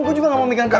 gue juga gak mau minggir